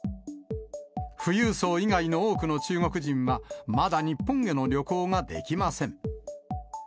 富裕層以外の多くの中国人は、まだ日本への旅行ができません。